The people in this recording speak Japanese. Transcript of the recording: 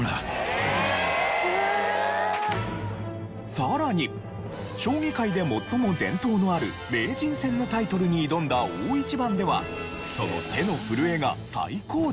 さらに将棋界で最も伝統のある名人戦のタイトルに挑んだ大一番では。